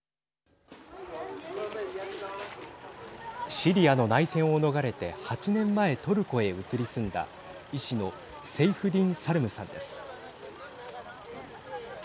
シリアの内戦を逃れて８年前、トルコへ移り住んだ医師のセイフディン・サルムさんです。